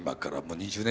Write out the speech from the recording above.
２０年